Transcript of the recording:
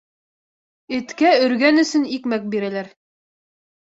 Эткә өргән өсөн икмәк бирәләр.